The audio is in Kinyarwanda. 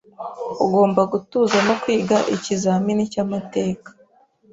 Ugomba gutuza no kwiga ikizamini cyamateka.